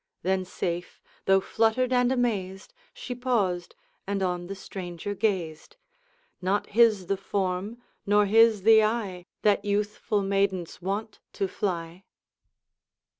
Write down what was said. Then safe, though fluttered and amazed, She paused, and on the stranger gazed. Not his the form, nor his the eye, That youthful maidens wont to fly.